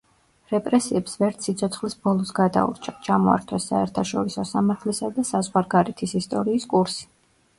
რეპრესიებს ვერც სიცოცხლის ბოლოს გადაურჩა, ჩამოართვეს საერთაშორისო სამართლისა და საზღვარგარეთის ისტორიის კურსი.